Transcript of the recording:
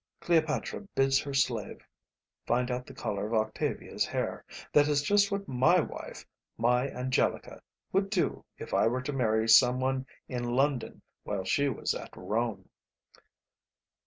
Cleopatra bids her slave find out the colour of Octavia's hair; that is just what my wife, my Angelica, would do if I were to marry some one in London while she was at Rome."